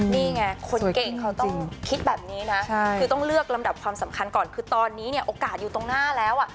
นี่ไงคนเก่งเขาต้องคิดแบบนี้นะคือต้องเลือกลำดับความสำคัญก่อนคือตอนนี้เนี่ยโอกาสอยู่ตรงหน้าแล้ว